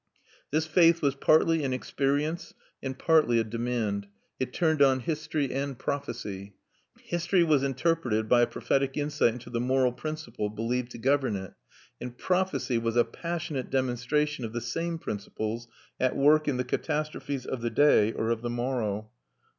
This faith was partly an experience and partly a demand; it turned on history and prophecy. History was interpreted by a prophetic insight into the moral principle, believed to govern it; and prophecy was a passionate demonstration of the same principles, at work in the catastrophes of the day or of the morrow.